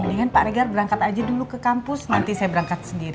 mendingan pak regar berangkat aja dulu ke kampus nanti saya berangkat sendiri